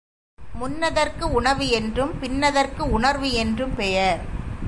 முன்னதற்கு உணவு என்றும் பின்னதற்கு உணர்வு என்றும் பெயர்.